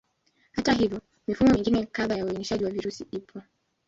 Hata hivyo, mifumo mingine kadhaa ya uainishaji wa virusi ipo.